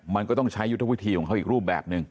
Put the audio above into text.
มันก็ต้องใช้ยุทธวิธีของเขาอีกรูปแบบหนึ่ง